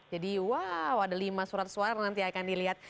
jadi waw ada lima surat suara nanti akan dilihat